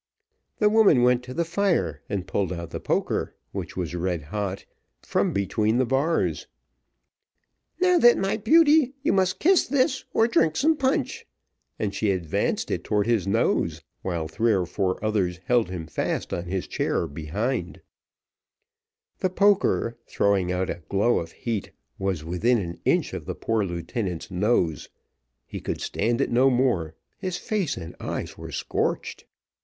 The woman went to the fire and pulled out the poker, which was red hot, from between the bars. "Now then, my beauty, you must kiss this, or drink some punch;" and she advanced it towards his nose, while three or four others held him fast on his chair behind; the poker, throwing out a glow of heat, was within an inch of the poor lieutenant's nose: he could stand it no more, his face and eyes were scorched.